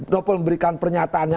novel memberikan pernyataannya